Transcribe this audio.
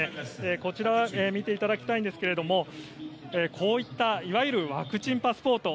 こちらを見ていただきたいんですがこういったいわゆるワクチンパスポート。